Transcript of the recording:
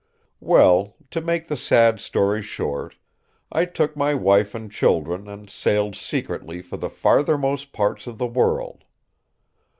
"Well, to make the sad story short, I took my wife and children and sailed secretly for the farthermost parts of the world.